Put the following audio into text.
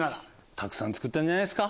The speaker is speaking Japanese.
たくさん作ったんじゃないですか。